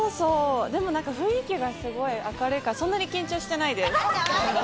雰囲気がすごい明るいから、そんなに緊張してないです。